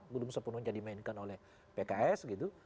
belum sepenuhnya dimainkan oleh pks gitu